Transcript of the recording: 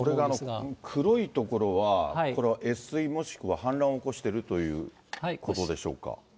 これが黒い所は、これは越水もしくは氾濫を起こしているということでしょうか。